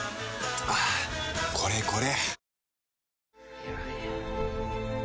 はぁこれこれ！